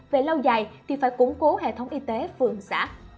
về lâu dài thì phải củng cố hệ thống y tế phường xã